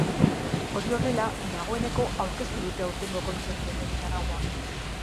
Hori horrela, dagoeneko aurkeztu dute aurtengo kontzertuen egitaraua.